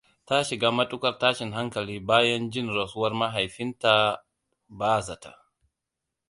Ta shiga matuƙar tashin hankali bayan jin rasuwar mahaifinta a ba-za-ta.